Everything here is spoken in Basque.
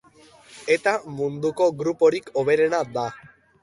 Emakumeak kanpai denda batean zuen bonbona, eta une horretan bere ilobarekin zegoen.